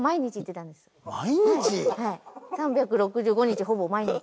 ３６５日ほぼ毎日。